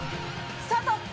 スタート！